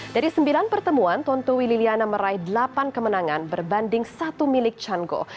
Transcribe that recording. dari sembilan pertemuan tontowi liliana meraih delapan kemenangan berbanding satu milik chango